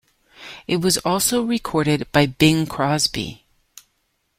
It was also recorded by Bing Crosby.